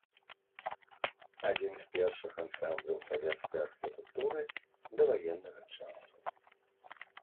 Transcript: Адзін з першых ансамбляў савецкай архітэктуры даваеннага часу.